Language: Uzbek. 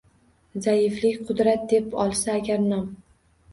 Zaiflik Qudrat deb olsa agar nom.